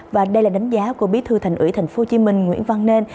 và đây là đánh giá của bí thư thành ủy tp hcm nguyễn văn nên